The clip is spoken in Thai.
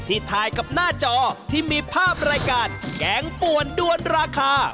ถ่ายกับหน้าจอที่มีภาพรายการแกงป่วนด้วนราคา